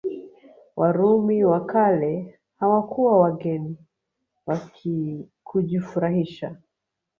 Warumi wa kale hawakuwa wageni wa kujifurahisha